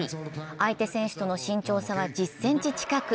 相手選手との身長差は１０ｃｍ近く。